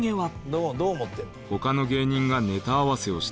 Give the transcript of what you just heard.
「どう思ってるの？」